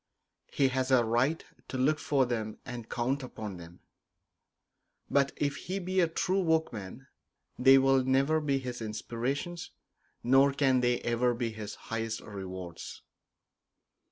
He has a right to look for them and count upon them; but if he be a true workman they will never be his inspirations, nor can they ever be his highest rewards.